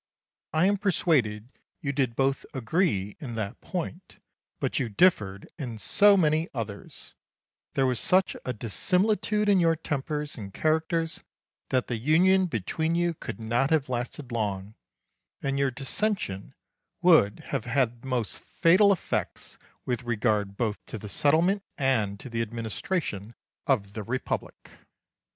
I am persuaded you did both agree in that point, but you differed in so many others, there was such a dissimilitude in your tempers and characters, that the union between you could not have lasted long, and your dissension would have had most fatal effects with regard both to the settlement and to the administration of the Republic.